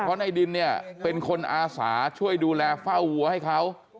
เพราะในดินเนี่ยเป็นคนอาสาช่วยดูแลเฝ้าวัวให้เขา